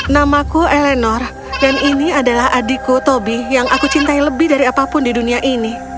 namaku elenor dan ini adalah adikku tobi yang aku cintai lebih dari apapun di dunia ini